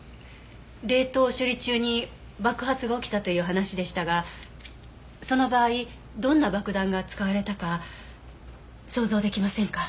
冷凍処理中に爆発が起きたという話でしたがその場合どんな爆弾が使われたか想像出来ませんか？